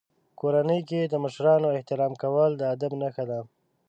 په کورنۍ کې د مشرانو احترام کول د ادب نښه ده.